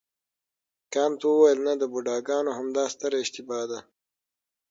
کانت وویل نه د بوډاګانو همدا ستره اشتباه ده.